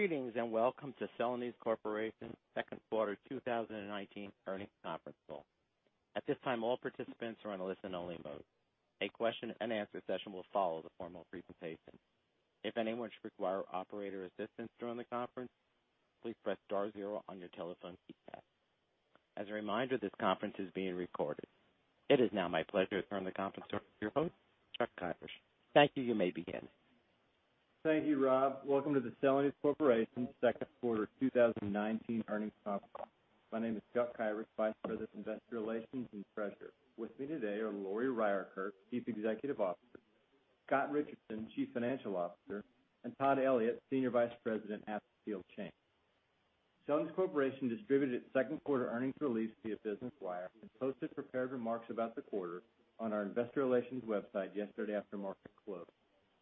Greetings and welcome to Celanese Corporation's second quarter 2019 earnings conference call. At this time, all participants are on a listen only mode. A question and answer session will follow the formal presentation. If anyone should require operator assistance during the conference, please press star zero on your telephone keypad. As a reminder, this conference is being recorded. It is now my pleasure to turn the conference over to your host, Chuck Kyrish. Thank you. You may begin. Thank you, Bob. Welcome to the Celanese Corporation second quarter 2019 earnings conference call. My name is Chuck Kyrish, Vice President, Investor Relations and Treasurer. With me today are Lori Ryerkerk, Chief Executive Officer, Scott Richardson, Chief Financial Officer, and Todd Elliott, Senior Vice President, Acetyl Chain. Celanese Corporation distributed second quarter earnings release via Business Wire and posted prepared remarks about the quarter on our investor relations website yesterday after market close.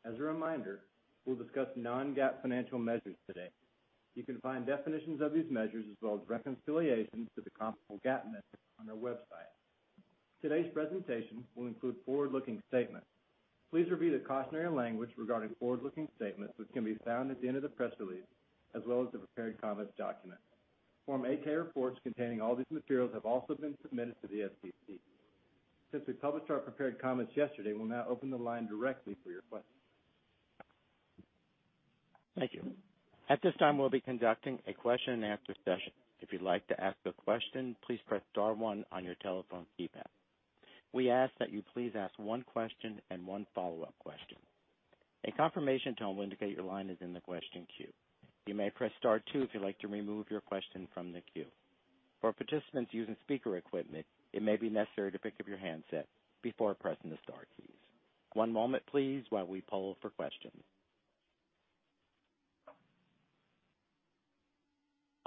As a reminder, we'll discuss non-GAAP financial measures today. You can find definitions of these measures as well as reconciliations to the comparable GAAP measures on our website. Today's presentation will include forward-looking statements. Please review the cautionary language regarding forward-looking statements, which can be found at the end of the press release, as well as the prepared comments document. Form 8-K reports containing all these materials have also been submitted to the SEC. Since we published our prepared comments yesterday, we'll now open the line directly for your questions. Thank you. At this time, we'll be conducting a question and answer session. If you'd like to ask a question, please press star one on your telephone keypad. We ask that you please ask one question and one follow-up question. A confirmation tone will indicate your line is in the question queue. You may press star two if you'd like to remove your question from the queue. For participants using speaker equipment, it may be necessary to pick up your handset before pressing the star keys. One moment please while we poll for questions.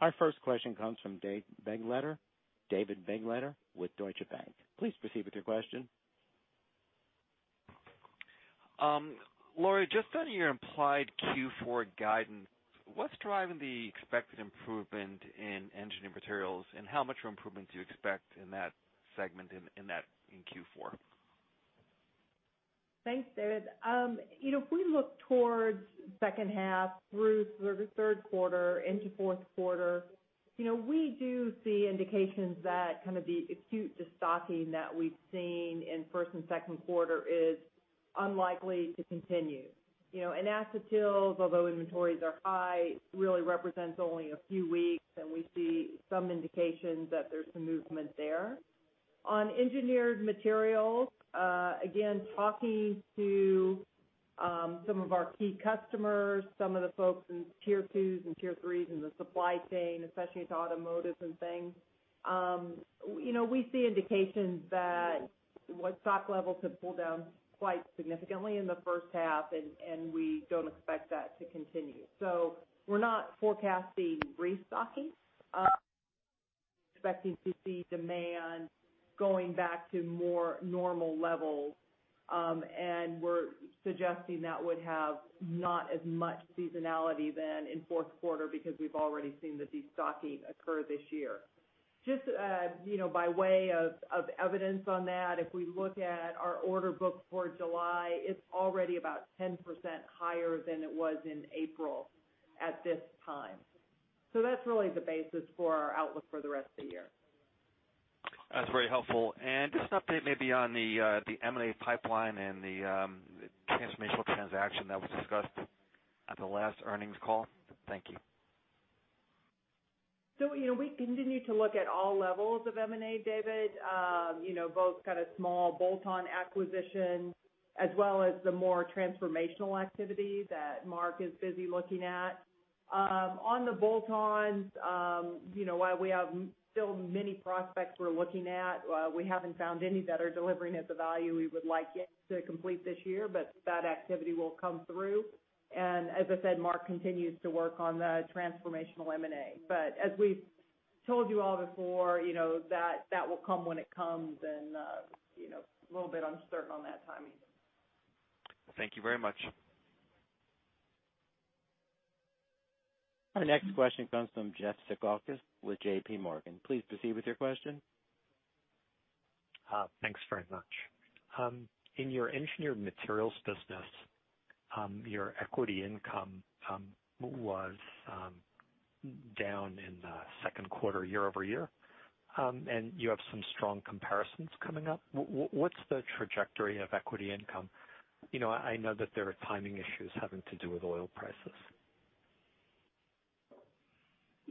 Our first question comes from David Begleiter with Deutsche Bank. Please proceed with your question. Lori, just on your implied Q4 guidance, what's driving the expected improvement in Engineered Materials, and how much improvement do you expect in that segment in Q4? Thanks, David. If we look towards second half through sort of the third quarter into fourth quarter, we do see indications that kind of the acute destocking that we've seen in first and second quarter is unlikely to continue. In acetyl, although inventories are high, really represents only a few weeks, and we see some indications that there's some movement there. On Engineered Materials, again, talking to some of our key customers, some of the folks in Tier 2s and tier 3s in the supply chain, especially into automotive and things. We see indications that stock levels have pulled down quite significantly in the first half, and we don't expect that to continue. We're not forecasting restocking. We're expecting to see demand going back to more normal levels. We're suggesting that would have not as much seasonality than in fourth quarter because we've already seen the destocking occur this year. Just by way of evidence on that, if we look at our order book for July, it's already about 10% higher than it was in April at this time. That's really the basis for our outlook for the rest of the year. That's very helpful. Just an update maybe on the M&A pipeline and the transformational transaction that was discussed at the last earnings call. Thank you. We continue to look at all levels of M&A, David, both kind of small bolt-on acquisitions as well as the more transformational activity that Mark is busy looking at. On the bolt-ons, while we have still many prospects we're looking at, we haven't found any that are delivering at the value we would like it to complete this year, but that activity will come through. As I said, Mark continues to work on the transformational M&A. As we've told you all before, that will come when it comes and a little bit uncertain on that timing. Thank you very much. Our next question comes from Jeffrey Zekauskas with JPMorgan. Please proceed with your question. Thanks very much. In your Engineered Materials business, your equity income was down in the second quarter year-over-year. You have some strong comparisons coming up. What's the trajectory of equity income? I know that there are timing issues having to do with oil prices.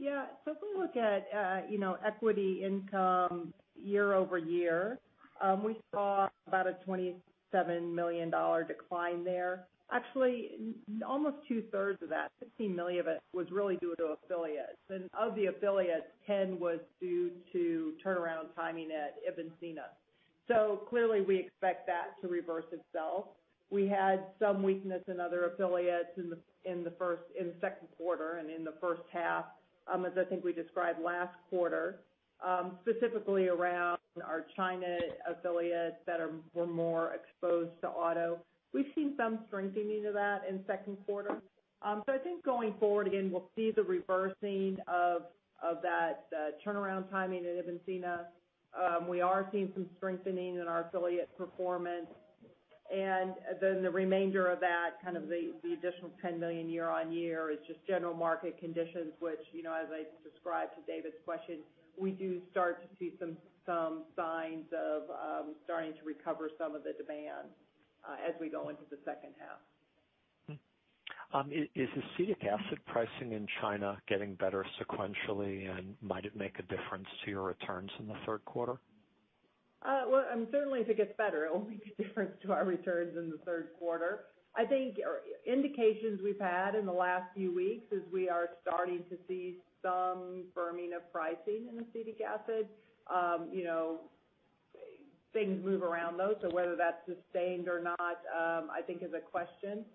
Yeah. If we look at equity income year-over-year, we saw about a $27 million decline there. Actually, almost two-thirds of that, $16 million of it, was really due to affiliates. Of the affiliates, 10 was due to turnaround timing at Ibn Sina. Clearly, we expect that to reverse itself. We had some weakness in other affiliates in the second quarter and in the first half, as I think we described last quarter, specifically around our China affiliates that were more exposed to auto. We've seen some strengthening of that in second quarter. I think going forward, again, we'll see the reversing of that turnaround timing at Ibn Sina. We are seeing some strengthening in our affiliate performance. The remainder of that, the additional $10 million year-on-year is just general market conditions, which, as I described to David's question, we do start to see some signs of starting to recover some of the demand as we go into the second half. Is acetic acid pricing in China getting better sequentially, and might it make a difference to your returns in the third quarter? Well, certainly if it gets better, it will make a difference to our returns in the third quarter. I think indications we've had in the last few weeks is we are starting to see some firming of pricing in acetic acid. Things move around though, whether that's sustained or not, I think is a question.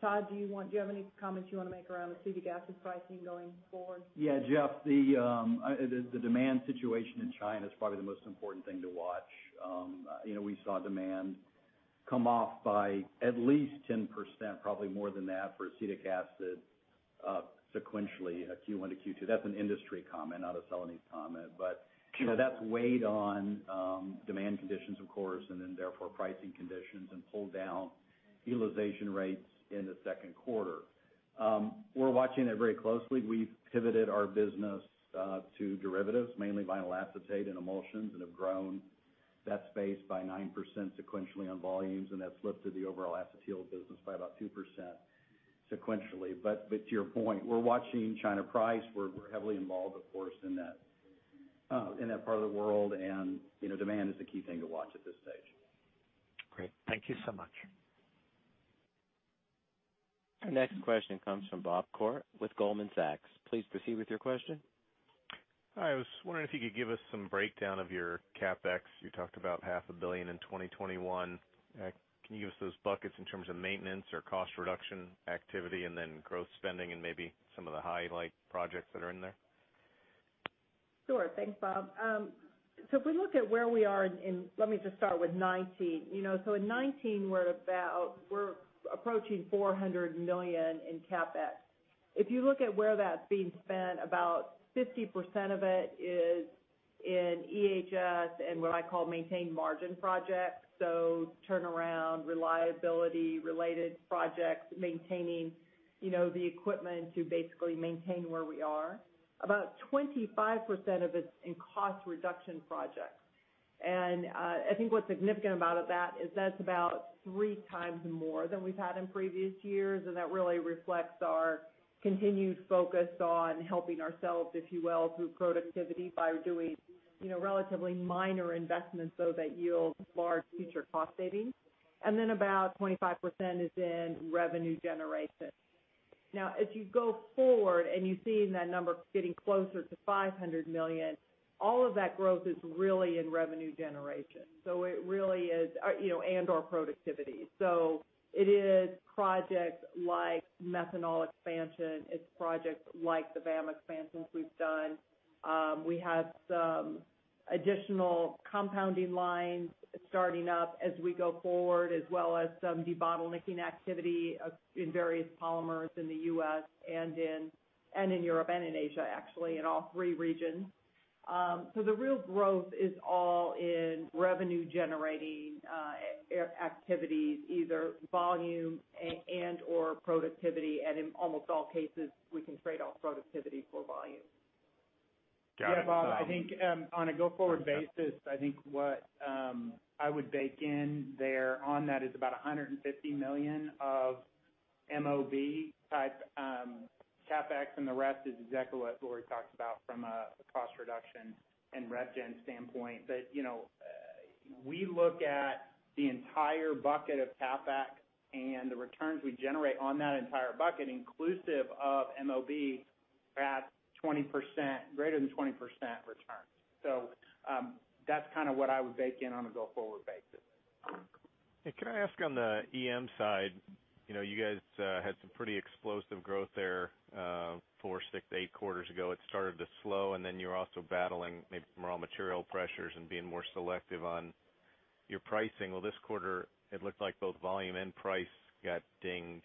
Todd, do you have any comments you want to make around acetic acid pricing going forward? Yeah, Jeff, the demand situation in China is probably the most important thing to watch. We saw demand come off by at least 10%, probably more than that for acetic acid, sequentially Q1 to Q2. That's an industry comment, not a Celanese comment. That's weighed on demand conditions, of course, and then therefore pricing conditions and pulled down utilization rates in the second quarter. We're watching it very closely. We've pivoted our business to derivatives, mainly vinyl acetate and emulsions and have grown that space by 9% sequentially on volumes, and that's lifted the overall Acetyl business by about 2% sequentially. To your point, we're watching China price. We're heavily involved, of course, in that part of the world, demand is the key thing to watch at this stage. Great. Thank you so much. Our next question comes from Bob Koort with Goldman Sachs. Please proceed with your question. Hi, I was wondering if you could give us some breakdown of your CapEx. You talked about half a billion dollar in 2021. Can you give us those buckets in terms of maintenance or cost reduction activity and then growth spending and maybe some of the highlight projects that are in there? Sure. Thanks, Bob. Let me just start with 2019. In 2019, we're approaching $400 million in CapEx. If you look at where that's being spent, about 50% of it is in EHS and what I call maintain margin projects. Turnaround, reliability-related projects, maintaining the equipment to basically maintain where we are. About 25% of it's in cost reduction projects. I think what's significant about that is that's about three times more than we've had in previous years, and that really reflects our continued focus on helping ourselves, if you will, through productivity by doing relatively minor investments though that yield large future cost savings. Then about 25% is in revenue generation. As you go forward and you've seen that number getting closer to $500 million, all of that growth is really in revenue generation and/or productivity. It is projects like methanol expansion, it's projects like the VAM expansions we've done. We have some additional compounding lines starting up as we go forward, as well as some debottlenecking activity in various polymers in the U.S. and in Europe and in Asia, actually, in all three regions. The real growth is all in revenue generating activities, either volume and/or productivity, and in almost all cases, we can trade off productivity for volume. Yeah, Bob, on a go forward basis, I think what I would bake in there on that is about $150 million of MOB type CapEx and the rest is exactly what Lori talked about from a cost reduction and rev gen standpoint. We look at the entire bucket of CapEx and the returns we generate on that entire bucket, inclusive of MOB at greater than 20% returns. That's what I would bake in on a go forward basis. Hey, can I ask on the EM side, you guys had some pretty explosive growth there, four, six, eight quarters ago. It started to slow and then you were also battling maybe some raw material pressures and being more selective on your pricing. Well, this quarter it looked like both volume and price got dinged.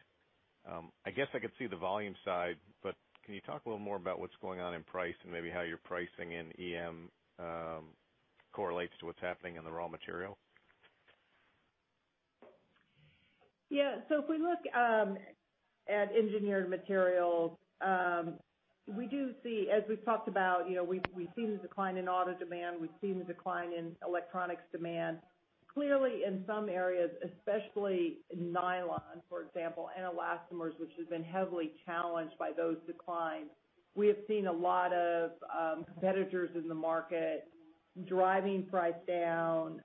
I guess I could see the volume side, but can you talk a little more about what's going on in price and maybe how your pricing in EM correlates to what's happening in the raw material? Yes. If we look at Engineered Materials, we do see, as we've talked about, we've seen the decline in auto demand, we've seen the decline in electronics demand. Clearly in some areas, especially nylon, for example, and elastomers, which has been heavily challenged by those declines. We have seen a lot of competitors in the market driving price down,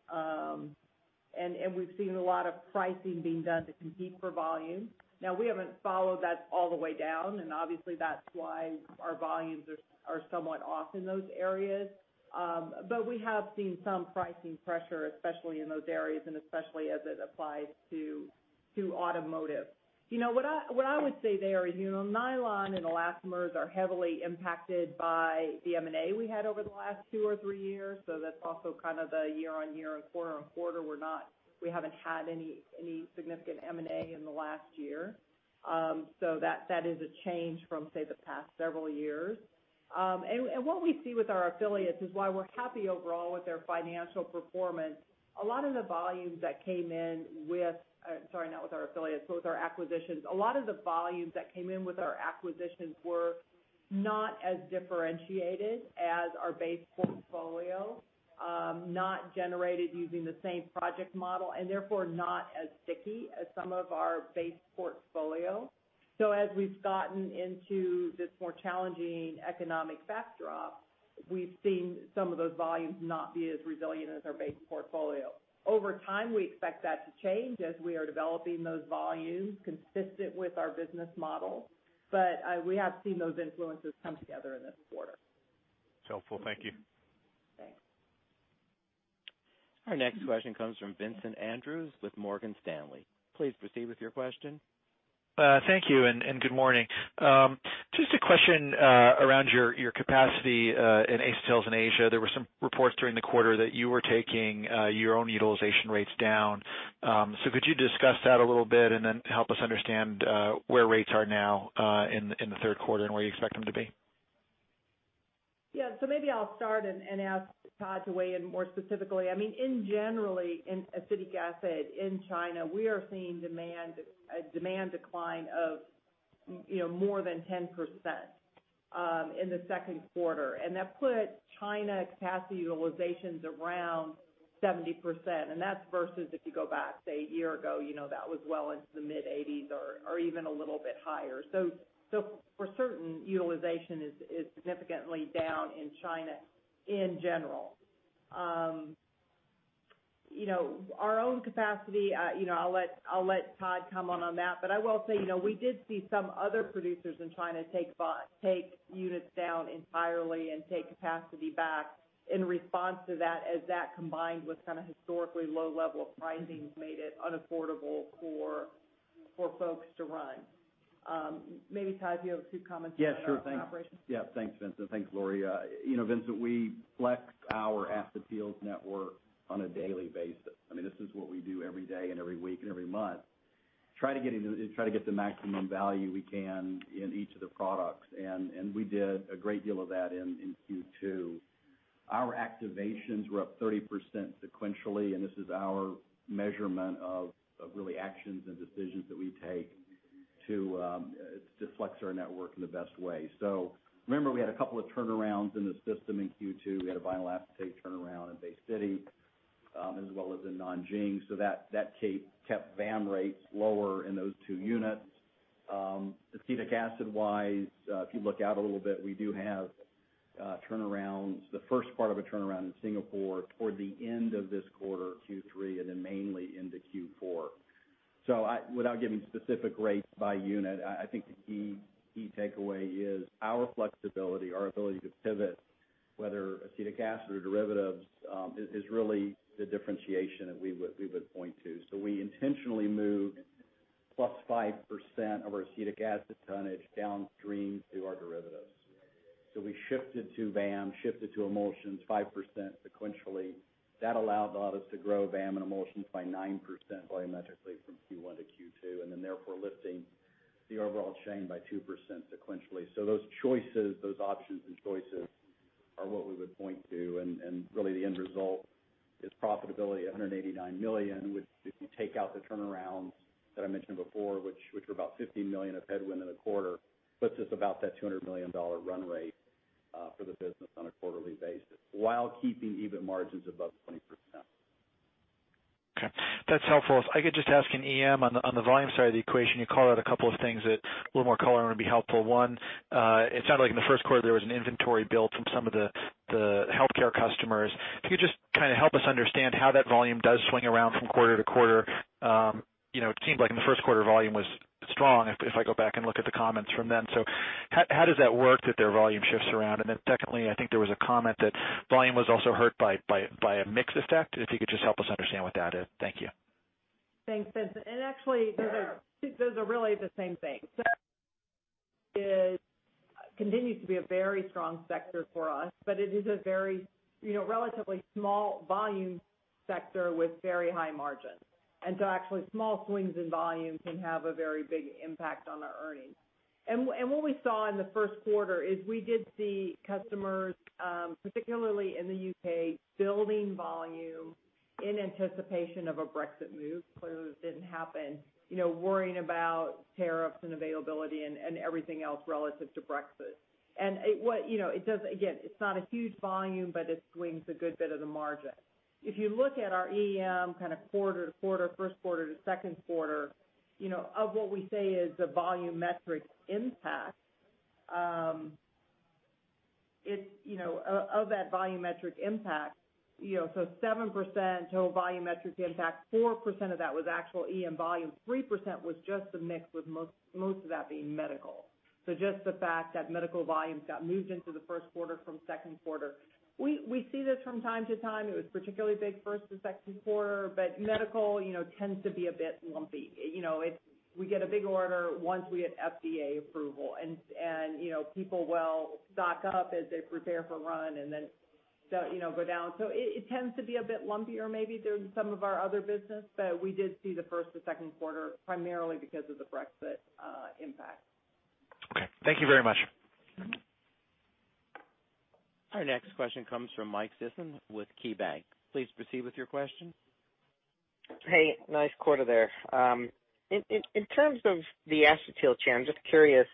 and we've seen a lot of pricing being done to compete for volume. We haven't followed that all the way down, and obviously that's why our volumes are somewhat off in those areas. We have seen some pricing pressure, especially in those areas and especially as it applies to automotive. What I would say there is nylon and elastomers are heavily impacted by the M&A we had over the last two or three years. That's also the year-on-year and quarter-on-quarter we haven't had any significant M&A in the last year. That is a change from, say, the past several years. What we see with our affiliates is why we're happy overall with their financial performance. A lot of the volumes that came in with our acquisitions were not as differentiated as our base portfolio, not generated using the same project model, and therefore not as sticky as some of our base portfolio. As we've gotten into this more challenging economic backdrop, we've seen some of those volumes not be as resilient as our base portfolio. Over time, we expect that to change as we are developing those volumes consistent with our business model. We have seen those influences come together in this quarter. Helpful. Thank you. Thanks. Our next question comes from Vincent Andrews with Morgan Stanley. Please proceed with your question. Thank you, good morning. Just a question around your capacity in acetyls in Asia. There were some reports during the quarter that you were taking your own utilization rates down. Could you discuss that a little bit and then help us understand where rates are now in the third quarter and where you expect them to be? Maybe I'll start and ask Todd to weigh in more specifically. In general, in acetic acid in China, we are seeing a demand decline of more than 10% in the second quarter, and that put China capacity utilizations around 70%. That's versus if you go back, say, a year ago, that was well into the mid-80s or even a little bit higher. For certain, utilization is significantly down in China in general. Our own capacity, I'll let Todd comment on that, but I will say, we did see some other producers in China take units down entirely and take capacity back in response to that, as that combined with historically low level pricings made it unaffordable for folks to run. Maybe, Todd, you have a few comments on operations. Thanks, Vincent. Thanks, Lori. Vincent, we flex our asset yields network on a daily basis. This is what we do every day and every week and every month, try to get the maximum value we can in each of the products. We did a great deal of that in Q2. Our activations were up 30% sequentially, and this is our measurement of really actions and decisions that we take to flex our network in the best way. Remember, we had a couple of turnarounds in the system in Q2. We had a vinyl acetate turnaround in Bay City, as well as in Nanjing. That kept VAM rates lower in those two units. Acetic acid-wise, if you look out a little bit, we do have the first part of a turnaround in Singapore toward the end of this quarter, Q3, and then mainly into Q4. Without giving specific rates by unit, I think the key takeaway is our flexibility, our ability to pivot, whether acetic acid or derivatives, is really the differentiation that we would point to. We intentionally moved +5% of our acetic acid tonnage downstream to our derivatives. We shifted to VAM, shifted to emulsions 5% sequentially. That allowed us to grow VAM and emulsions by 9% volumetrically from Q1 to Q2, therefore lifting the overall chain by 2% sequentially. Those options and choices are what we would point to, and really the end result is profitability at $189 million. If you take out the turnarounds that I mentioned before, which were about $15 million of headwind in the quarter, puts us about that $200 million run rate for the business on a quarterly basis while keeping EBIT margins above 20%. Okay. That's helpful. If I could just ask in EM, on the volume side of the equation, you called out a couple of things that a little more color would be helpful. One, it sounded like in the first quarter there was an inventory build from some of the healthcare customers. If you could just help us understand how that volume does swing around from quarter to quarter. It seemed like in the first quarter, volume was strong, if I go back and look at the comments from then. How does that work that their volume shifts around? Then secondly, I think there was a comment that volume was also hurt by a mix effect, if you could just help us understand what that is. Thank you. Thanks, Vincent. Actually, those are really the same thing. It continues to be a very strong sector for us, but it is a very relatively small volume sector with very high margins. Actually, small swings in volume can have a very big impact on our earnings. What we saw in the first quarter is we did see customers particularly in the U.K., building volume in anticipation of a Brexit move, worrying about tariffs and availability and everything else relative to Brexit. Clearly, that didn't happen. Again, it's not a huge volume, but it swings a good bit of the margin. If you look at our EM kind of quarter to quarter, first quarter to second quarter, of what we say is the volumetric impact, of that volumetric impact, 7% total volumetric impact, 4% of that was actual EM volume, 3% was just the mix with most of that being medical. Just the fact that medical volumes got moved into the first quarter from second quarter. We see this from time to time. It was particularly big first and second quarter, but medical tends to be a bit lumpy. We get a big order once we hit FDA approval, and people will stock up as they prepare for run, and then go down. It tends to be a bit lumpier maybe than some of our other business, but we did see the first and second quarter primarily because of the Brexit impact. Okay. Thank you very much. Our next question comes from Mike Sison with KeyBank. Please proceed with your question. Hey, nice quarter there. In terms of the Acetyl Chain, I'm just curious,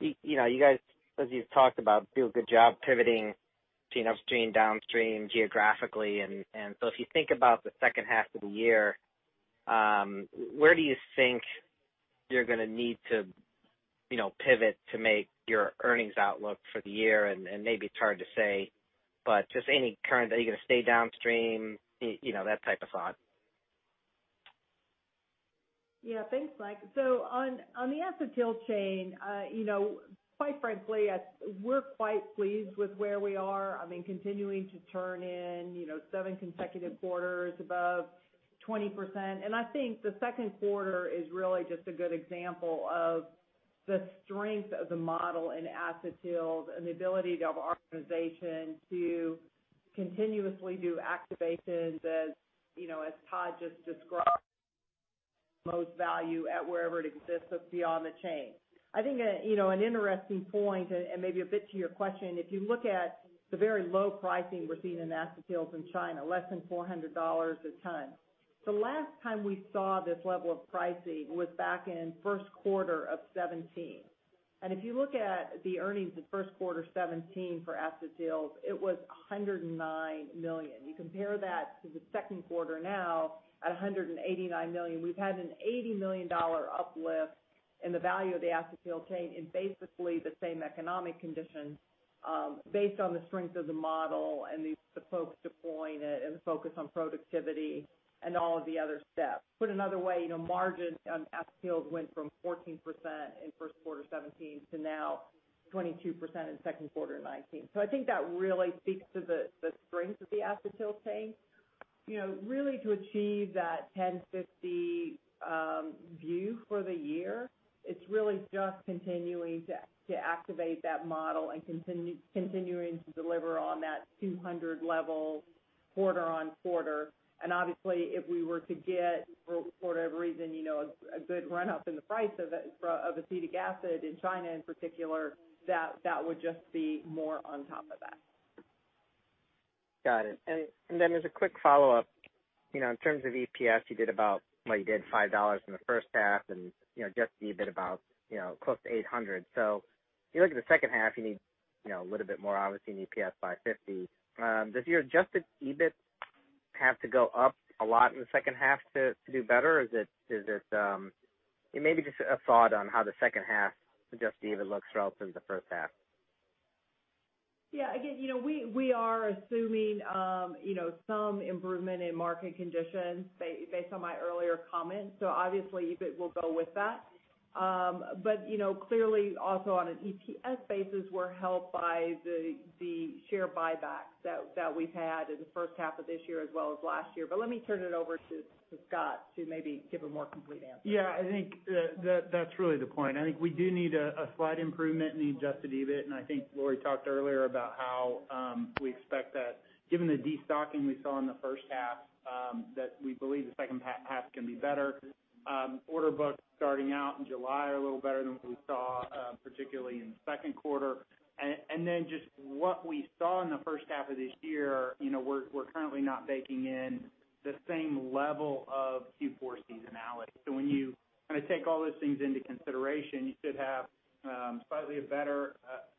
you guys, as you've talked about, do a good job pivoting upstream, downstream, geographically. If you think about the second half of the year, where do you think you're going to need to pivot to make your earnings outlook for the year? Maybe it's hard to say, but just any, are you going to stay downstream? That type of thought. Thanks, Mike. On the Acetyl Chain, quite frankly, we're quite pleased with where we are. Continuing to turn in seven consecutive quarters above 20%. I think the second quarter is really just a good example of the strength of the model in the Acetyl Chain and the ability of our organization to continuously do activations as Todd just described, promote value at wherever it exists, but beyond the chain. I think an interesting point, and maybe a bit to your question, if you look at the very low pricing we're seeing in acetyls in China, less than $400 a ton. The last time we saw this level of pricing was back in first quarter of 2017. If you look at the earnings in first quarter 2017 for acetyls, it was $109 million. You compare that to the second quarter now at $189 million. We've had an $80 million uplift in the value of the Acetyl Chain in basically the same economic condition based on the strength of the model and the folks deploying it and the focus on productivity and all of the other steps. Put another way, margin on Acetyl went from 14% in first quarter 2017 to now 22% in second quarter 2019. I think that really speaks to the strength of the Acetyl Chain. Really to achieve that $10.50 view for the year, it's really just continuing to activate that model and continuing to deliver on that 200 level quarter-on-quarter. Obviously, if we were to get, for whatever reason, a good run-up in the price of acetic acid in China in particular, that would just be more on top of that. Got it. As a quick follow-up, in terms of EPS, you did about $5 in the first half and adjusted EBIT about close to $800. You look at the second half, you need a little bit more obviously in EPS by $50. Does your adjusted EBIT have to go up a lot in the second half to do better? Is it maybe just a thought on how the second half adjusted EBIT looks relative to the first half? Again, we are assuming some improvement in market conditions based on my earlier comments. Obviously, EBIT will go with that. Clearly also on an EPS basis, we're helped by the share buybacks that we've had in the first half of this year as well as last year. Let me turn it over to Scott to maybe give a more complete answer. Yeah, I think that's really the point. I think we do need a slight improvement in the adjusted EBIT, and I think Lori talked earlier about how we expect that given the de-stocking we saw in the first half, that we believe the second half can be better. Order books starting out in July are a little better than what we saw particularly in the second quarter. Just what we saw in the first half of this year, we're currently not baking in the same level of Q4 seasonality. When you take all those things into consideration, you should have slightly a better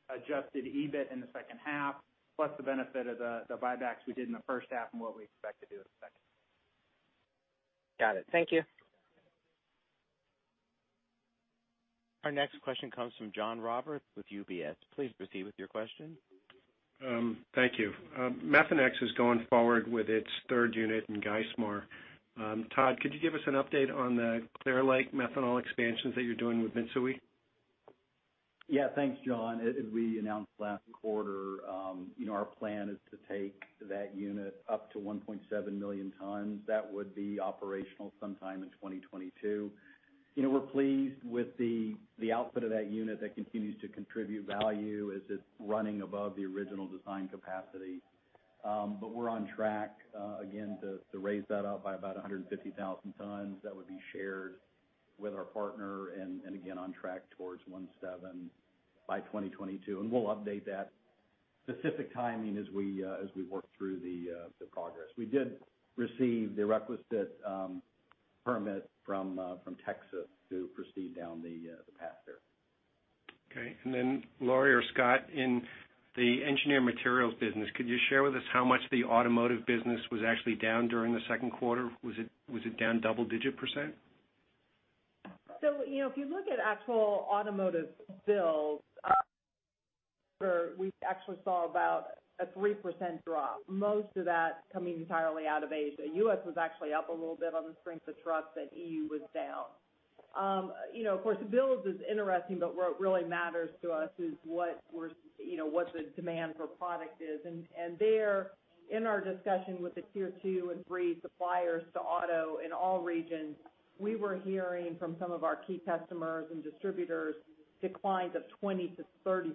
adjusted EBIT in the second half, plus the benefit of the buybacks we did in the first half and what we expect to do in the second. Got it. Thank you. Our next question comes from John Roberts with UBS. Please proceed with your question. Thank you. Methanex is going forward with its third unit in Geismar. Todd, could you give us an update on the Clear Lake methanol expansions that you're doing with Mitsui? Yeah, thanks, John. As we announced last quarter, our plan is to take that unit up to 1.7 million tons. That would be operational sometime in 2022. We're pleased with the output of that unit that continues to contribute value as it's running above the original design capacity. We're on track again to raise that up by about 150,000 tons. That would be shared with our partner and again on track towards 1.7 by 2022. We'll update that specific timing as we work through the progress. We did receive the requisite permit from Texas to proceed down the path there. Okay. Lori or Scott, in the Engineered Materials business, could you share with us how much the automotive business was actually down during the second quarter? Was it down double digit percent? If you look at actual automotive builds, we actually saw about a 3% drop. Most of that coming entirely out of Asia. U.S. was actually up a little bit on the strength of trucks, but EU was down. Of course, builds is interesting, but what really matters to us is what the demand for product is. In our discussion with the Tier 2 and 3 suppliers to auto in all regions, we were hearing from some of our key customers and distributors declines of 20%-30%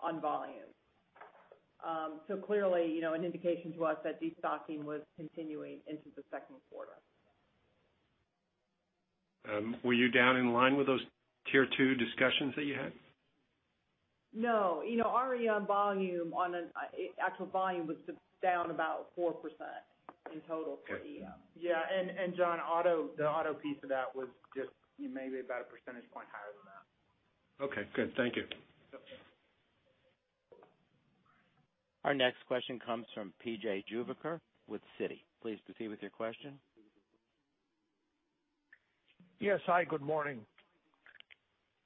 on volume. Clearly, an indication to us that de-stocking was continuing into the second quarter. Were you down in line with those Tier 2 discussions that you had? No. Our EM volume on an actual volume was down about 4% in total for EM. Okay. Yeah. John, the auto piece of that was just maybe about a percentage point higher than that. Okay, good. Thank you. Yep. Our next question comes from P.J. Juvekar with Citi. Please proceed with your question. Yes. Hi, good morning.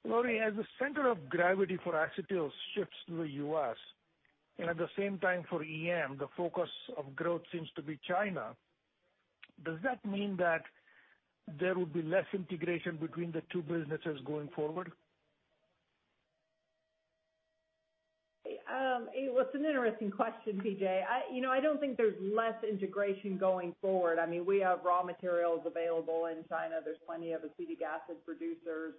Lori, as the center of gravity for acetyl shifts to the U.S., and at the same time for EM, the focus of growth seems to be China, does that mean that there will be less integration between the two businesses going forward? It's an interesting question, P.J. I don't think there's less integration going forward. We have raw materials available in China. There's plenty of acetic acid producers.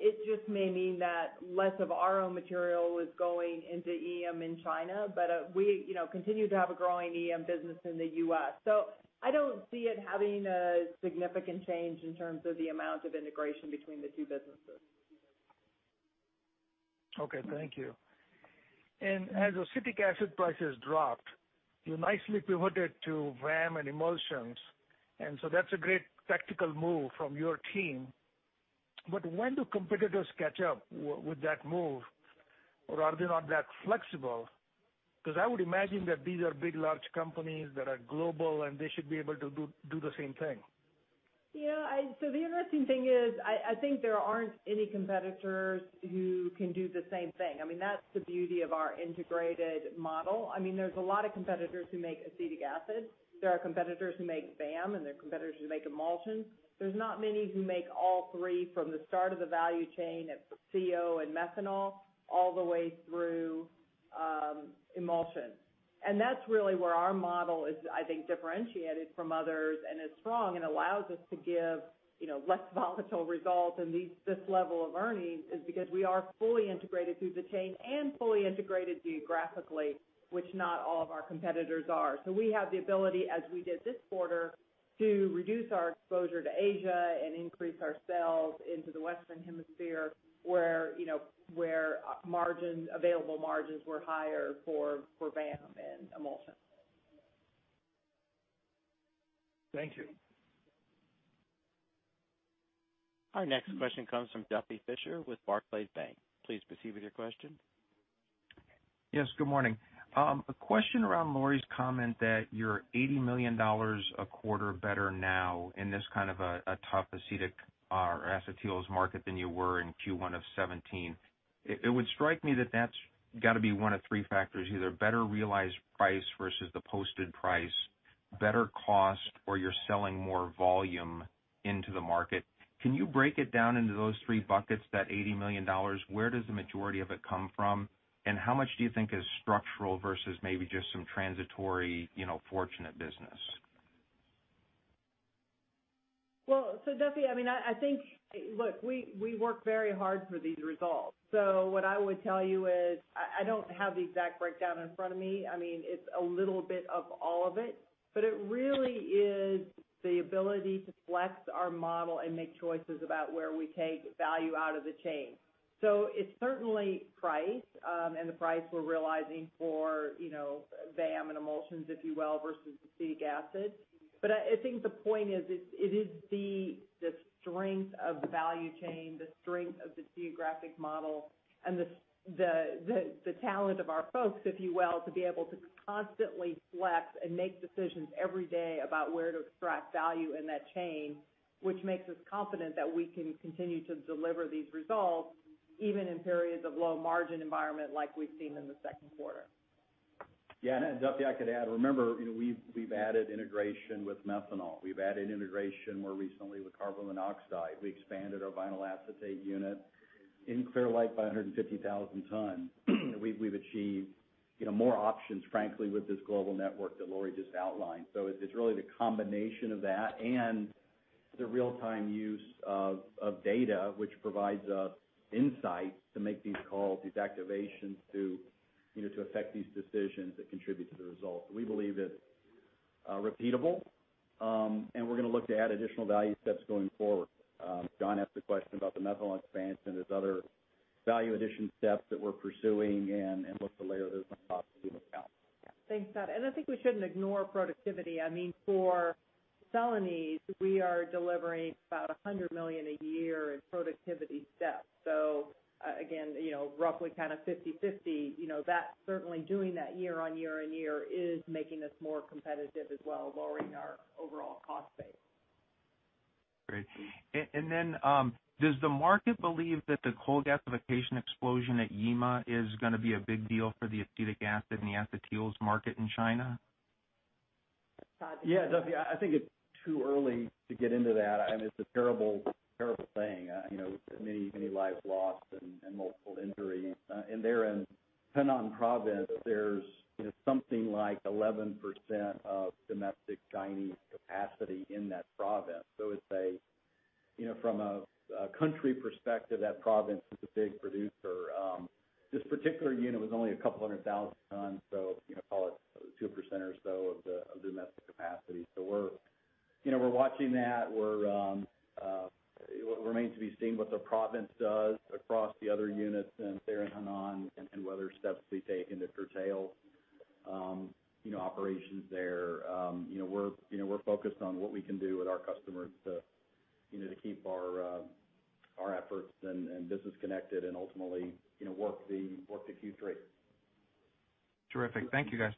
It just may mean that less of our own material is going into EM in China, but we continue to have a growing EM business in the U.S. I don't see it having a significant change in terms of the amount of integration between the two businesses. Okay. Thank you. As acetic acid prices dropped, you nicely pivoted to VAM and emulsions, and so that's a great tactical move from your team. When do competitors catch up with that move? Are they not that flexible? Because I would imagine that these are big, large companies that are global, and they should be able to do the same thing. Yeah. The interesting thing is, I think there aren't any competitors who can do the same thing. That's the beauty of our integrated model. There's a lot of competitors who make acetic acid. There are competitors who make VAM, and there are competitors who make emulsions. There's not many who make all three from the start of the value chain at CO and methanol all the way through emulsion. That's really where our model is, I think, differentiated from others and is strong and allows us to give less volatile results and this level of earnings is because we are fully integrated through the chain and fully integrated geographically, which not all of our competitors are. We have the ability, as we did this quarter, to reduce our exposure to Asia and increase our sales into the Western Hemisphere, where available margins were higher for VAM and emulsion. Thank you. Our next question comes from Duffy Fischer with Barclays Bank. Please proceed with your question. Yes, good morning. A question around Lori's comment that you're $80 million a quarter better now in this kind of a tough acetic or Acetyl market than you were in Q1 of 2017. It would strike me that that's got to be one of three factors, either better realized price versus the posted price, better cost, or you're selling more volume into the market. Can you break it down into those three buckets, that $80 million? Where does the majority of it come from, and how much do you think is structural versus maybe just some transitory fortunate business? Duffy, look, we work very hard for these results. What I would tell you is I don't have the exact breakdown in front of me. It's a little bit of all of it, but it really is the ability to flex our model and make choices about where we take value out of the chain. It's certainly price, and the price we're realizing for VAM and emulsions, if you will, versus acetic acid. I think the point is, it is the strength of the value chain, the strength of the geographic model, and the talent of our folks, if you will, to be able to constantly flex and make decisions every day about where to extract value in that chain. Which makes us confident that we can continue to deliver these results even in periods of low margin environment like we've seen in the second quarter. Yeah. Duffy, I could add, remember, we've added integration with methanol. We've added integration more recently with carbon monoxide. We expanded our vinyl acetate unit in Clear Lake by 150,000 ton. We've achieved more options, frankly, with this global network that Lori just outlined. It's really the combination of that and the real-time use of data which provides us insight to make these calls, these activations to affect these decisions that contribute to the results. We believe it repeatable, and we're going to look to add additional value steps going forward. John asked a question about the methanol expansion. There's other value addition steps that we're pursuing and look to layer those on top to keep us balanced. Yeah. Thanks, Todd. I think we shouldn't ignore productivity. For Celanese, we are delivering about $100 million a year in productivity steps. Again, roughly kind of 50/50. Certainly doing that year-on-year-on year is making us more competitive as well, lowering our overall cost base. Great. Does the market believe that the coal gasification explosion at Yima is going to be a big deal for the acetic acid and the acetyl market in China? Duffy, I think it's too early to get into that. It's a terrible thing. Many lives lost and multiple injuries. There in Henan Province, there's something like 11% of domestic Chinese capacity in that province. From a country perspective, that province is a big producer. This particular unit was only 200,000 tons. Call it 2% or so of the domestic capacity. We're watching that. It remains to be seen what the province does across the other units there in Henan and what other steps they take to curtail operations there. We're focused on what we can do with our customers to keep our efforts and business connected and ultimately, work to Q3. Terrific. Thank you, guys.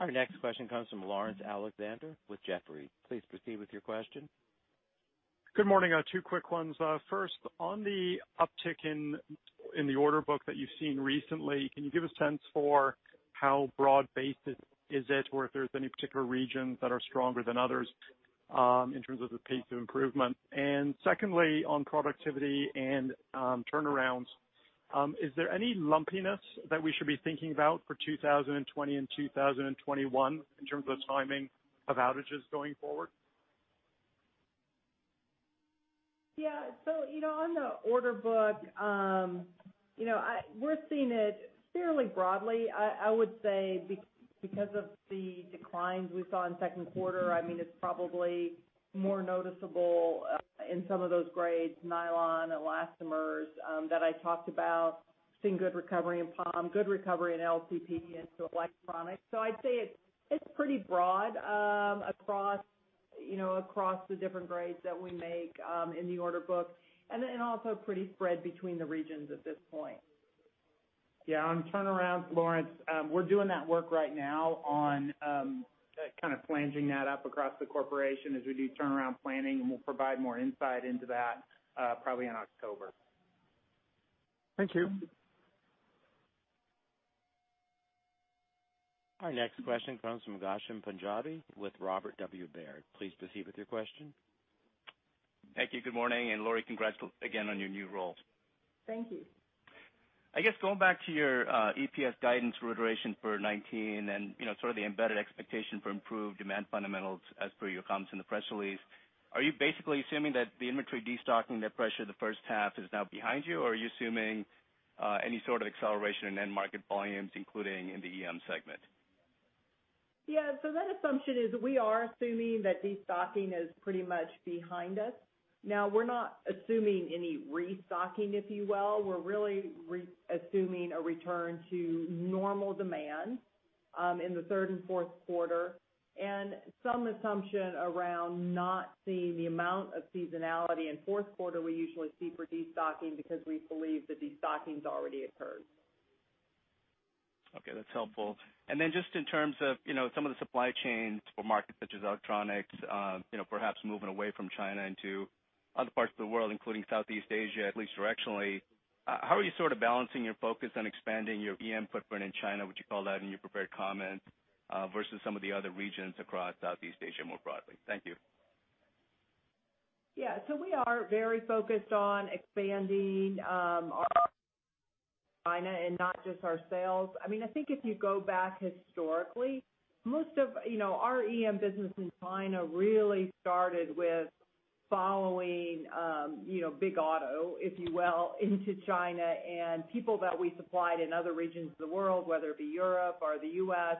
Our next question comes from Laurence Alexander with Jefferies. Please proceed with your question. Good morning. Two quick ones. First, on the uptick in the order book that you've seen recently, can you give a sense for how broad-based is it, or if there's any particular regions that are stronger than others in terms of the pace of improvement? Secondly, on productivity and turnarounds, is there any lumpiness that we should be thinking about for 2020 and 2021 in terms of timing of outages going forward? Yeah. On the order book, we're seeing it fairly broadly. I would say because of the declines we saw in second quarter, it's probably more noticeable in some of those grades, nylon, elastomers that I talked about, seeing good recovery in POM, good recovery in LCP into electronics. I'd say it's pretty broad across the different grades that we make in the order book, and then also pretty spread between the regions at this point. Yeah. On turnarounds, Laurence, we're doing that work right now on kind of planning that up across the corporation as we do turnaround planning, we'll provide more insight into that probably in October. Thank you. Our next question comes from Ghansham Panjabi with Robert W. Baird. Please proceed with your question. Thank you. Good morning. Lori, congrats again on your new role. Thank you. I guess going back to your EPS guidance reiteration for 2019, and sort of the embedded expectation for improved demand fundamentals as per your comments in the press release, are you basically assuming that the inventory destocking that pressured the first half is now behind you, or are you assuming any sort of acceleration in end market volumes, including in the EM segment? Yeah. That assumption is we are assuming that destocking is pretty much behind us. Now, we're not assuming any restocking, if you will. We're really assuming a return to normal demand in the third and fourth quarter, and some assumption around not seeing the amount of seasonality in fourth quarter we usually see for destocking because we believe the destocking's already occurred. Okay, that's helpful. Just in terms of some of the supply chains for markets such as electronics perhaps moving away from China into other parts of the world, including Southeast Asia, at least directionally, how are you sort of balancing your focus on expanding your EM footprint in China, which you called out in your prepared comments, versus some of the other regions across Southeast Asia more broadly? Thank you. We are very focused on expanding our China and not just our sales. I think if you go back historically, most of our EM business in China really started with following big auto, if you will, into China, and people that we supplied in other regions of the world, whether it be Europe or the U.S.,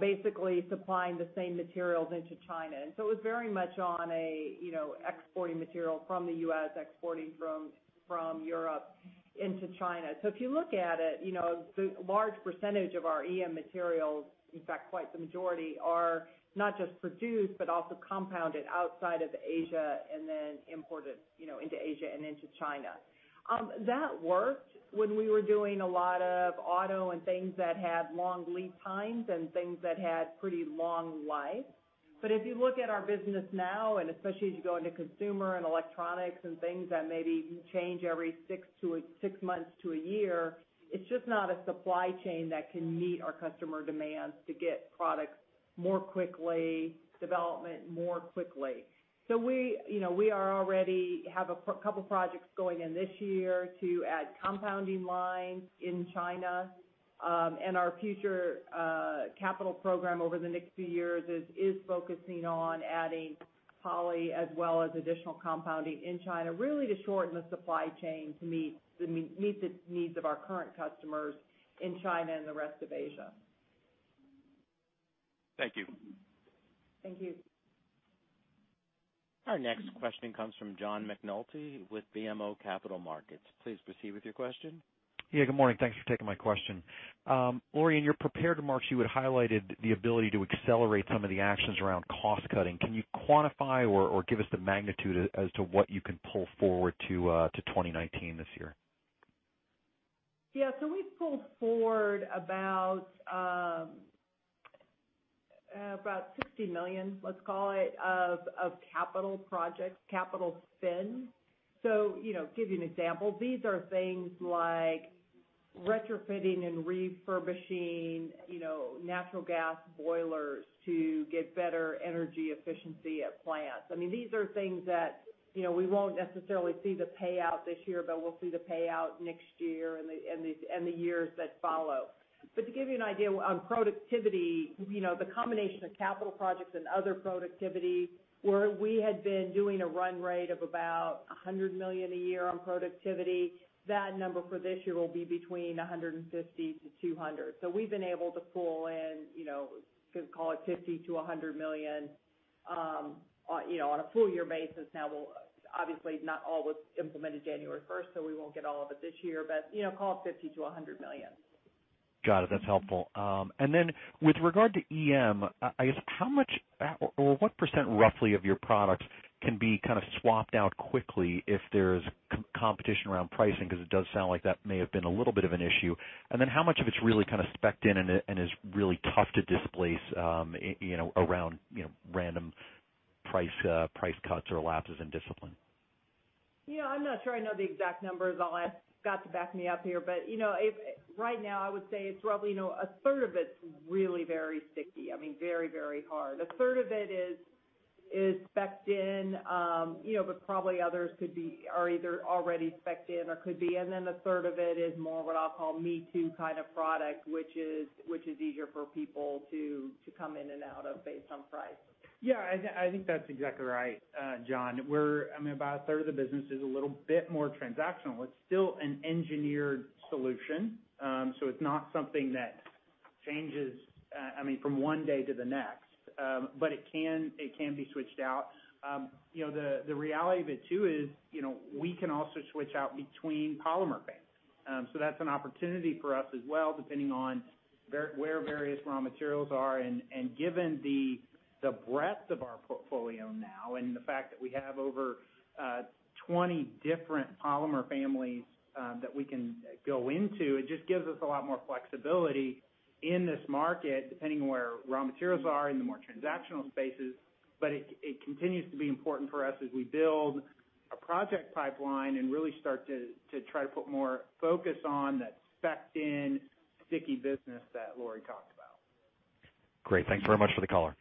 basically supplying the same materials into China. It was very much on exporting material from the U.S., exporting from Europe into China. If you look at it, the large percentage of our EM materials, in fact, quite the majority, are not just produced, but also compounded outside of Asia and then imported into Asia and into China. That worked when we were doing a lot of auto and things that had long lead times and things that had pretty long life. If you look at our business now, and especially as you go into consumer and electronics and things that maybe change every six months to a year, it's just not a supply chain that can meet our customer demands to get products more quickly, development more quickly. We already have a couple projects going in this year to add compounding lines in China. Our future capital program over the next few years is focusing on adding poly as well as additional compounding in China, really to shorten the supply chain to meet the needs of our current customers in China and the rest of Asia. Thank you. Thank you. Our next question comes from John McNulty with BMO Capital Markets. Please proceed with your question. Yeah, good morning. Thanks for taking my question. Lori, in your prepared remarks, you had highlighted the ability to accelerate some of the actions around cost-cutting. Can you quantify or give us the magnitude as to what you can pull forward to 2019 this year? Yeah. We pulled forward about $60 million, let's call it, of capital projects, capital spend. To give you an example, these are things like retrofitting and refurbishing natural gas boilers to get better energy efficiency at plants. These are things that we won't necessarily see the payout this year, but we'll see the payout next year and the years that follow. To give you an idea on productivity, the combination of capital projects and other productivity, where we had been doing a run rate of about $100 million a year on productivity, that number for this year will be between $150 million-$200 million. We've been able to pull in, call it $50 million-$100 million on a full year basis now. Obviously, not all was implemented January 1st, so we won't get all of it this year, call it $50 million-$100 million. Got it. That's helpful. Then with regard to EM, I guess how much or what percent roughly of your products can be kind of swapped out quickly if there's competition around pricing? Because it does sound like that may have been a little bit of an issue. Then how much of it's really kind of specced in and is really tough to displace around random price cuts or lapses in discipline? Yeah, I'm not sure I know the exact numbers. I'll ask Scott to back me up here, but right now I would say it's roughly a third of it's really very sticky. Very hard. A third of it is specced in, but probably others are either already specced in or could be. A third of it is more what I'll call me-too kind of product, which is easier for people to come in and out of based on price. Yeah, I think that's exactly right, John. About a third of the business is a little bit more transactional. It's still an engineered solution. It's not something that changes from one day to the next. It can be switched out. The reality of it too is, we can also switch out between polymer banks. That's an opportunity for us as well, depending on where various raw materials are, and given the breadth of our portfolio now, and the fact that we have over 20 different polymer families that we can go into, it just gives us a lot more flexibility in this market, depending on where raw materials are in the more transactional spaces. It continues to be important for us as we build a project pipeline and really start to try to put more focus on that specced-in, sticky business that Lori talked about. Great. Thanks very much for the color.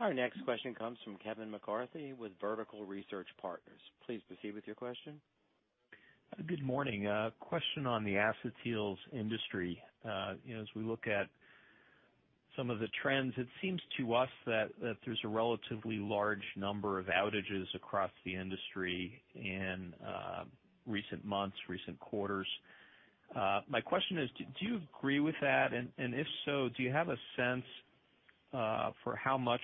Our next question comes from Kevin McCarthy with Vertical Research Partners. Please proceed with your question. Good morning. A question on the acetyls industry. As we look at some of the trends, it seems to us that there's a relatively large number of outages across the industry in recent months, recent quarters. My question is, do you agree with that? If so, do you have a sense for how much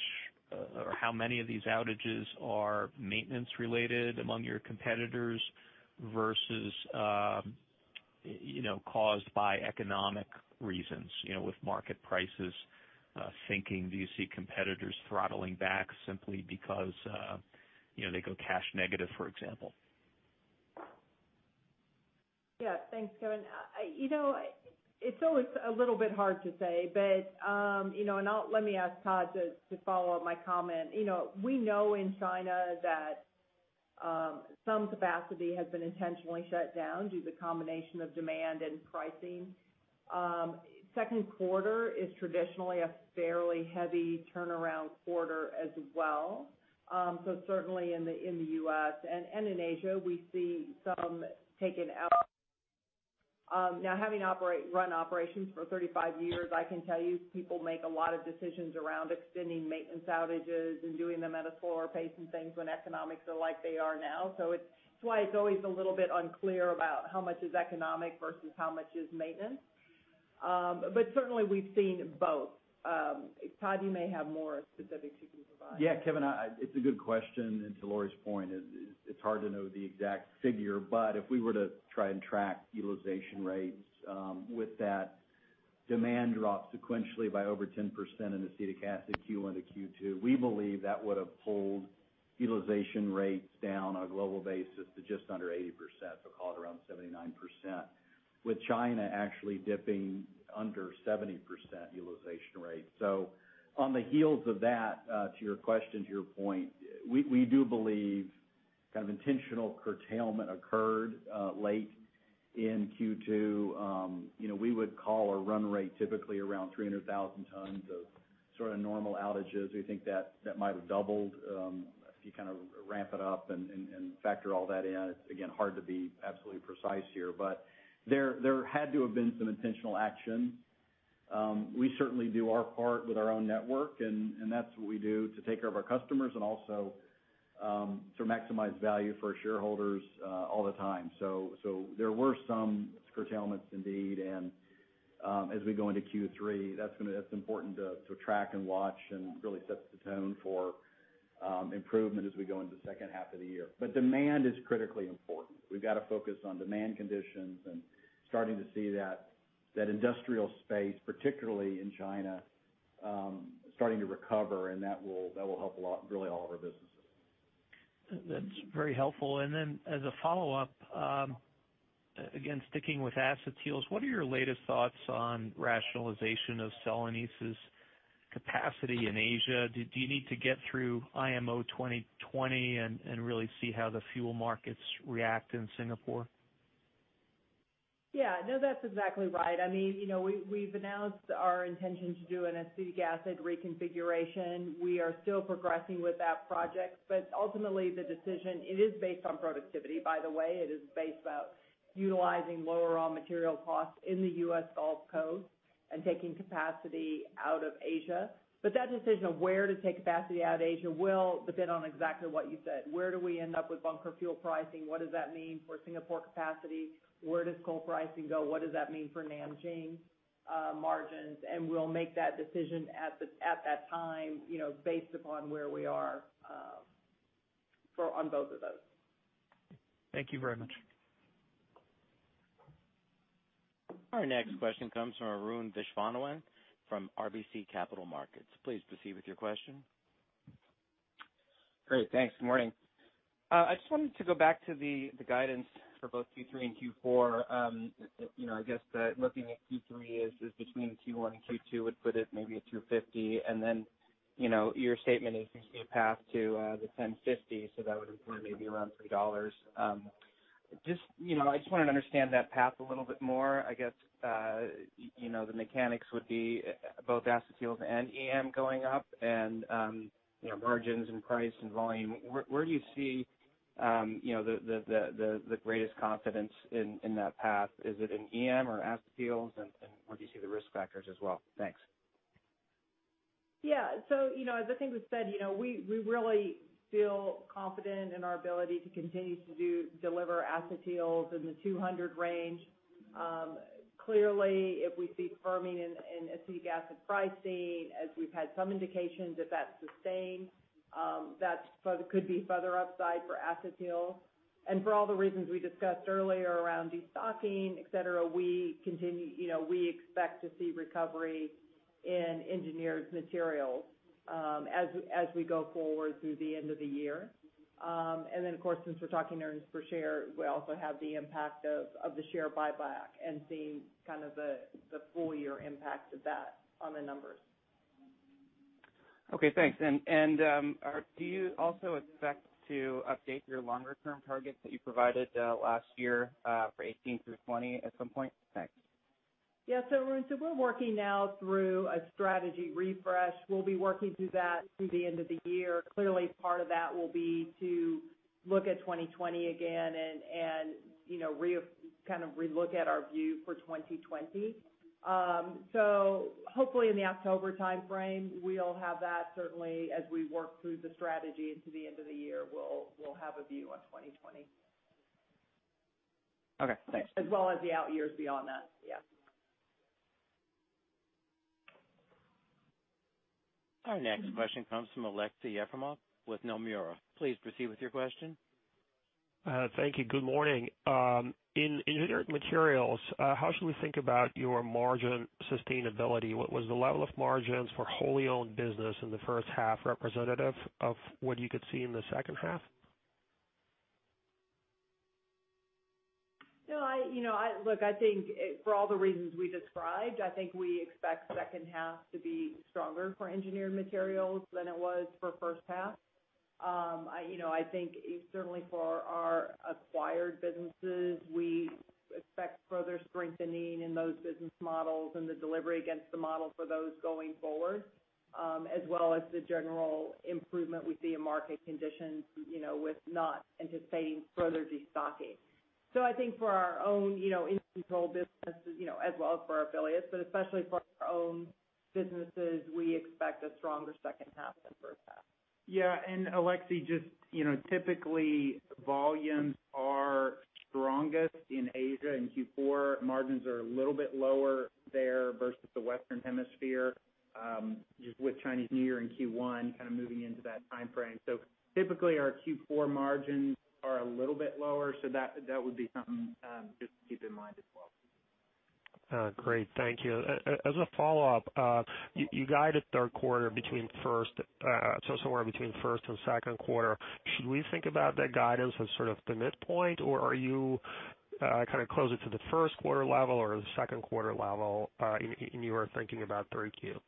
or how many of these outages are maintenance related among your competitors versus caused by economic reasons, with market prices sinking? Do you see competitors throttling back simply because they go cash negative, for example? Yeah. Thanks, Kevin. It's always a little bit hard to say, but let me ask Todd to follow up my comment. We know in China that some capacity has been intentionally shut down due to the combination of demand and pricing. Second quarter is traditionally a fairly heavy turnaround quarter as well. Certainly in the U.S. and in Asia, we see some taken out. Now, having run operations for 35 years, I can tell you, people make a lot of decisions around extending maintenance outages and doing them at a slower pace and things when economics are like they are now. It's why it's always a little bit unclear about how much is economic versus how much is maintenance. Certainly we've seen both. Todd, you may have more specifics you can provide. Yeah, Kevin, it's a good question. To Lori's point, it's hard to know the exact figure, but if we were to try and track utilization rates with that demand drop sequentially by over 10% in acetic acid Q1 to Q2, we believe that would have pulled utilization rates down on a global basis to just under 80%, so call it around 79%, with China actually dipping under 70% utilization rate. On the heels of that, to your question, to your point, we do believe intentional curtailment occurred late in Q2. We would call our run rate typically around 300,000 tons of sort of normal outages. We think that might have doubled. If you ramp it up and factor all that in, it's, again, hard to be absolutely precise here, but there had to have been some intentional action. We certainly do our part with our own network, and that's what we do to take care of our customers and also to maximize value for our shareholders all the time. There were some curtailments indeed, and as we go into Q3, that's important to track and watch and really sets the tone for improvement as we go into the second half of the year. Demand is critically important. We've got to focus on demand conditions and starting to see that industrial space, particularly in China, starting to recover, and that will help a lot, really all of our businesses. That's very helpful. As a follow-up, again, sticking with acetyls, what are your latest thoughts on rationalization of Celanese's capacity in Asia? Do you need to get through IMO 2020 and really see how the fuel markets react in Singapore? No, that's exactly right. We've announced our intention to do an acetic acid reconfiguration. We are still progressing with that project, but ultimately the decision, it is based on productivity by the way. It is based on utilizing lower raw material costs in the U.S. Gulf Coast and taking capacity out of Asia. That decision of where to take capacity out of Asia will depend on exactly what you said. Where do we end up with bunker fuel pricing? What does that mean for Singapore capacity? Where does coal pricing go? What does that mean for Nanjing margins? We'll make that decision at that time based upon where we are on both of those. Thank you very much. Our next question comes from Arun Viswanathan from RBC Capital Markets. Please proceed with your question. Great. Thanks. Good morning. I just wanted to go back to the guidance for both Q3 and Q4. I guess that looking at Q3 is between Q1 and Q2 would put it maybe at $2.50, and then your statement is you see a path to the $10.50, so that would imply maybe around $3. I just wanted to understand that path a little bit more. I guess the mechanics would be both Acetyls and EM going up and margins and price and volume. Where do you see the greatest confidence in that path? Is it in EM or Acetyls, and where do you see the risk factors as well? Thanks. As I think was said, we really feel confident in our ability to continue to deliver acetyls in the 200 range. Clearly, if we see firming in acetic acid pricing, as we've had some indications if that's sustained, that could be further upside for acetyl. For all the reasons we discussed earlier around de-stocking, et cetera, we expect to see recovery in Engineered Materials as we go forward through the end of the year. Then, of course, since we're talking earnings per share, we also have the impact of the share buyback and seeing kind of the full year impact of that on the numbers. Okay, thanks. Do you also expect to update your longer-term targets that you provided last year for 2018 through 2020 at some point? Thanks. Arun, we're working now through a strategy refresh. We'll be working through that through the end of the year. Clearly, part of that will be to look at 2020 again and kind of re-look at our view for 2020. Hopefully in the October timeframe, we'll have that certainly as we work through the strategy into the end of the year, we'll have a view on 2020. Okay, thanks. As well as the out years beyond that. Yeah. Our next question comes from Aleksey Yefremov with Nomura. Please proceed with your question. Thank you. Good morning. In Engineered Materials, how should we think about your margin sustainability? Was the level of margins for wholly owned business in the first half representative of what you could see in the second half? Look, I think for all the reasons we described, I think we expect second half to be stronger for Engineered Materials than it was for first half. I think certainly for our acquired businesses, we expect further strengthening in those business models and the delivery against the model for those going forward, as well as the general improvement we see in market conditions with not anticipating further de-stocking. I think for our own in control businesses as well as for our affiliates, but especially for our own businesses, we expect a stronger second half than first half. Yeah. Aleksey, just typically, volumes are strongest in Asia in Q4. Margins are a little bit lower there versus the Western Hemisphere, just with Chinese New Year in Q1 kind of moving into that timeframe. Typically our Q4 margins are a little bit lower, so that would be something just to keep in mind as well. Great. Thank you. As a follow-up, you guided third quarter somewhere between first and second quarter. Should we think about that guidance as sort of the midpoint, or are you kind of closer to the first quarter level or the second quarter level in your thinking about 3Q?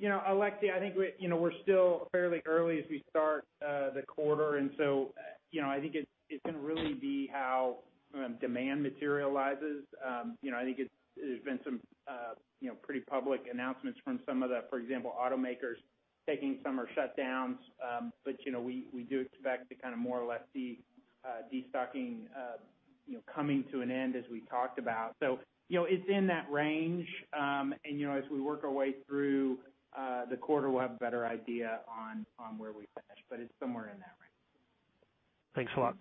Aleksey, I think we're still fairly early as we start the quarter. I think it's going to really be how demand materializes. I think there's been some pretty public announcements from some of the, for example, automakers taking summer shutdowns. We do expect to kind of more or less see de-stocking coming to an end as we talked about. It's in that range, and as we work our way through the quarter, we'll have a better idea on where we finish, but it's somewhere in that range. Thanks a lot.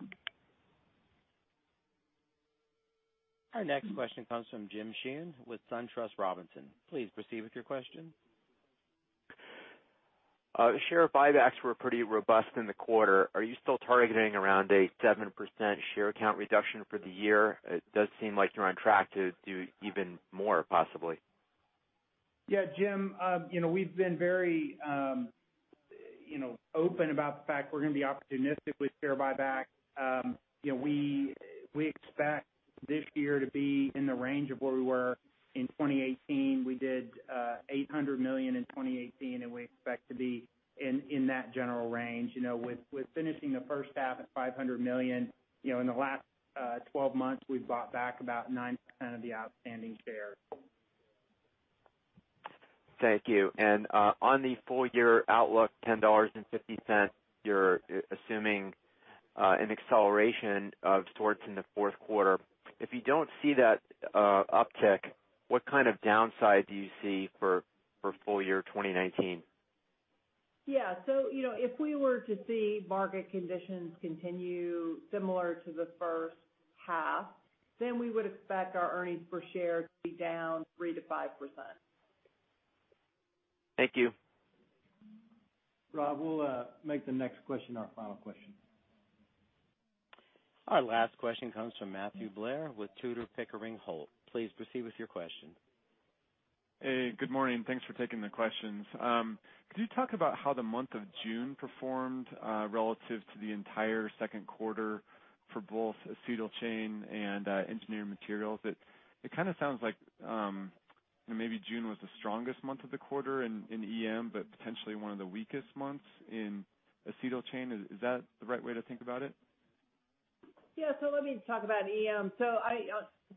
Our next question comes from Jim Sheehan with SunTrust Robinson. Please proceed with your question. Share buybacks were pretty robust in the quarter. Are you still targeting around a 7% share count reduction for the year? It does seem like you're on track to do even more, possibly. Yeah, Jim, we've been very open about the fact we're going to be opportunistic with share buyback. We expect this year to be in the range of where we were in 2018. We did $800 million in 2018, and we expect to be in that general range. With finishing the first half at $500 million, in the last 12 months, we've bought back about 9% of the outstanding shares. Thank you. On the full year outlook, $10.50, you're assuming an acceleration of sorts in the fourth quarter. If you don't see that uptick, what kind of downside do you see for full year 2019? Yeah. If we were to see market conditions continue similar to the first half, then we would expect our earnings per share to be down 3%-5%. Thank you. Rob, we'll make the next question our final question. Our last question comes from Matthew Blair with Tudor, Pickering, Holt. Please proceed with your question. Hey, good morning. Thanks for taking the questions. Could you talk about how the month of June performed relative to the entire second quarter for both Acetyl Chain and Engineered Materials? It kind of sounds like maybe June was the strongest month of the quarter in EM, but potentially one of the weakest months in Acetyl Chain. Is that the right way to think about it? Yeah. Let me talk about EM.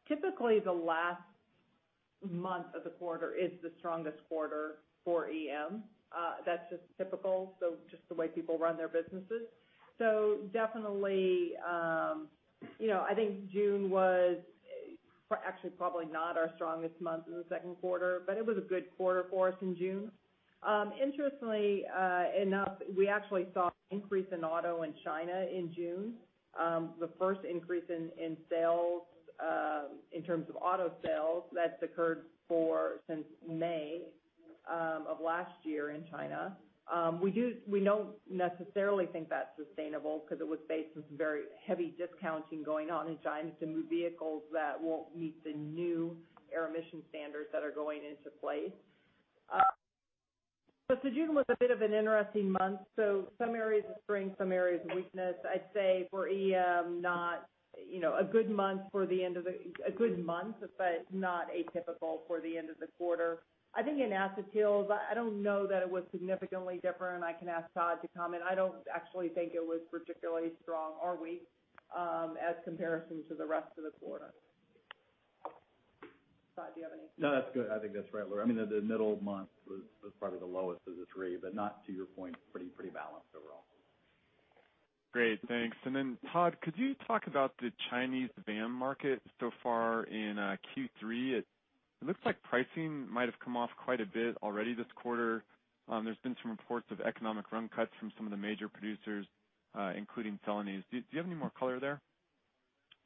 Typically, the last month of the quarter is the strongest quarter for EM. That's just typical, so just the way people run their businesses. Definitely, I think June was actually probably not our strongest month in the second quarter, but it was a good quarter for us in June. Interestingly enough, we actually saw an increase in auto in China in June. The first increase in sales, in terms of auto sales, that's occurred since May of last year in China. We don't necessarily think that's sustainable because it was based on some very heavy discounting going on in China to move vehicles that won't meet the new air emission standards that are going into place. June was a bit of an interesting month, so some areas of strength, some areas of weakness. I'd say for EM, a good month, but not atypical for the end of the quarter. I think in acetyl, I don't know that it was significantly different. I can ask Todd to comment. I don't actually think it was particularly strong or weak as comparison to the rest of the quarter. Todd, do you have anything? No, that's good. I think that's right, Lori. The middle of month was probably the lowest of the three, but not to your point, pretty balanced overall. Great, thanks. Todd, could you talk about the Chinese VAM market so far in Q3? It looks like pricing might have come off quite a bit already this quarter. There's been some reports of economic run cuts from some of the major producers, including Celanese. Do you have any more color there?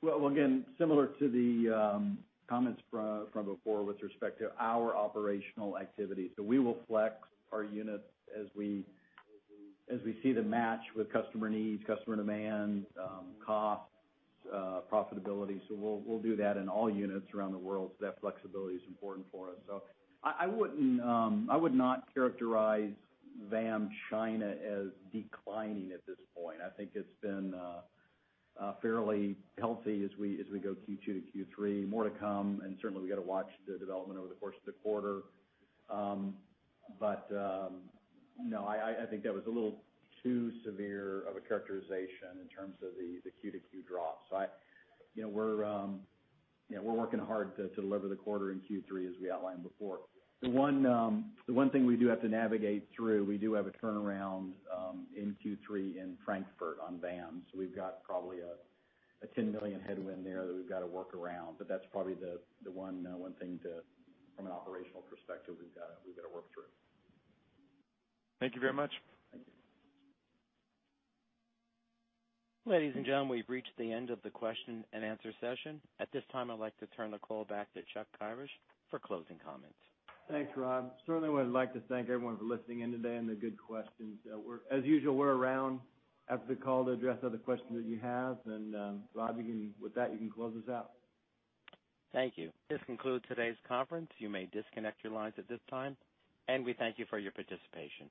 Again, similar to the comments from before with respect to our operational activity. We will flex our units as we see the match with customer needs, customer demand, costs, profitability. We'll do that in all units around the world. That flexibility is important for us. I would not characterize VAM China as declining at this point. I think it's been fairly healthy as we go Q2 to Q3. More to come, and certainly we've got to watch the development over the course of the quarter. No, I think that was a little too severe of a characterization in terms of the Q-to-Q drop. We're working hard to deliver the quarter in Q3 as we outlined before. The one thing we do have to navigate through, we do have a turnaround in Q3 in Frankfurt on VAM. We've got probably a $10 million headwind there that we've got to work around. That's probably the one thing from an operational perspective we've got to work through. Thank you very much. Thank you. Ladies and gentlemen, we've reached the end of the question-and-answer session. At this time, I'd like to turn the call back to Chuck Kyrish for closing comments. Thanks, Rob. Certainly would like to thank everyone for listening in today and the good questions. As usual, we're around after the call to address other questions that you have and Rob, with that, you can close us out. Thank you. This concludes today's conference. You may disconnect your lines at this time, and we thank you for your participation.